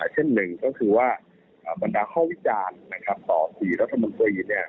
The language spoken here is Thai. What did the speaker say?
เช่นหนึ่งก็คือว่าบรรดาข้อวิจารณ์ต่อ๔รัฐมนตรี